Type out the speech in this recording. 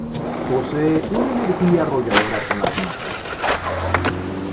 Posee una energía arrolladora con las masas.